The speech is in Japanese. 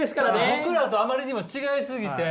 僕らとあまりにも違い過ぎて。